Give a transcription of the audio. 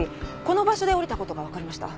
この場所で降りた事がわかりました。